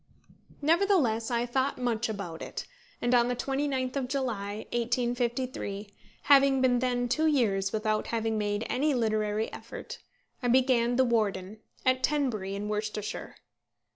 Nevertheless I thought much about it, and on the 29th of July, 1853, having been then two years without having made any literary effort, I began The Warden, at Tenbury in Worcestershire.